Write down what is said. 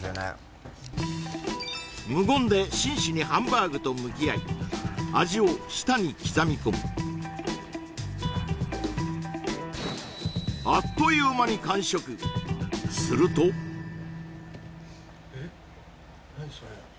無言で真摯にハンバーグと向き合い味を舌に刻み込むあっという間にするとえっ何それ？